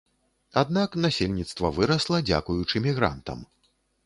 Аднак насельніцтва вырасла дзякуючы мігрантам.